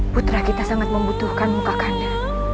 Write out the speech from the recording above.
putra kita sangat membutuhkan muka kanda